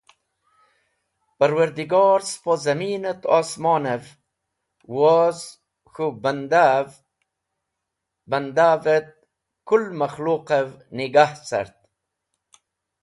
Parwardigor spo zamin et osmonev, woz k̃hũ banda’v et kũl makhluqev nigah cart.